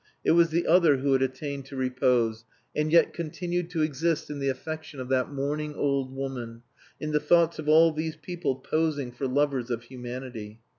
It was the other who had attained to repose and yet continued to exist in the affection of that mourning old woman, in the thoughts of all these people posing for lovers of humanity.